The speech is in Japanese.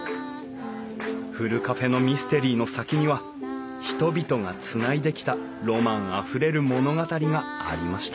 ふるカフェのミステリーの先には人々がつないできたロマンあふれる物語がありました